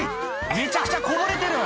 めちゃくちゃこぼれてる！